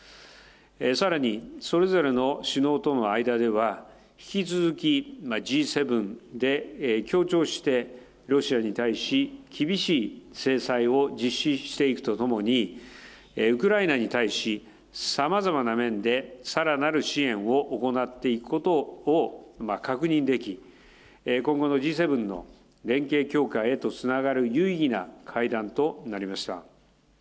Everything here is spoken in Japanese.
さらに、それぞれの首脳との間では、引き続きＧ７で協調してロシアに対し、厳しい制裁を実施していくとともに、ウクライナに対し、さまざまな面でさらなる支援を行っていくことを確認でき、今後のＧ７の連携強化へとつながる有意義な会談となりました。